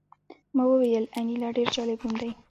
ما وویل انیلا ډېر جالب نوم دی